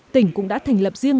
tỉnh cũng đã thành lập riêng